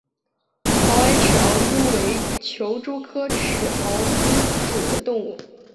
螯埃齿螯蛛为球蛛科齿螯蛛属的动物。